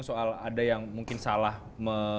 ke dalam ke dalam ke dalam